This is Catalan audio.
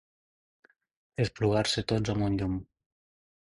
Esplugar-se tots amb un llum.